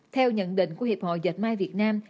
theo nhận định của hiệp hội dẹp mây việt nam